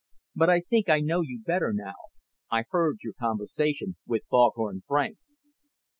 But I think I know you better now. I heard your conversation with Foghorn Frank."